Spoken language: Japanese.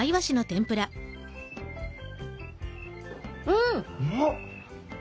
うん！